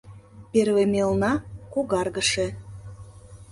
— Первый мелна — когаргыше.